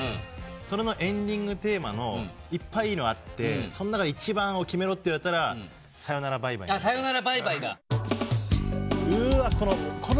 それのエンディングテーマのいっぱいいいのあってそん中で一番を決めろって言われたら『さよならｂｙｅｂｙｅ』「ふっ切るはずの心に」